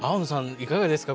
いかがですか？